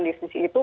di sisi itu